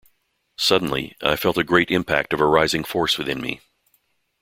Suddenly, I felt a great impact of a rising force within me.